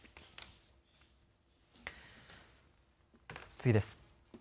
次です。